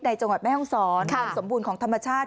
จังหวัดแม่ห้องศรความสมบูรณ์ของธรรมชาติ